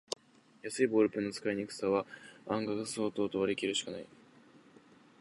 安いボールペンの使いにくさは価格相応と割りきるしかない